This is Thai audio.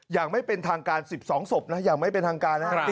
อย่างไม่เป็นทางการ๑๒ศพนะอย่างไม่เป็นทางการนะครับ